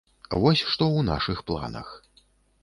Вось што ў нашых планах.